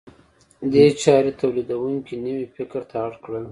دې چارې تولیدونکي نوي فکر ته اړ کړل.